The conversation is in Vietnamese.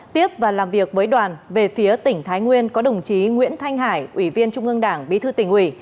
tiếp và làm việc với đoàn về phía tỉnh thái nguyên có đồng chí nguyễn thanh hải ủy viên trung ương đảng bí thư tỉnh ủy